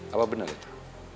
apa benar itu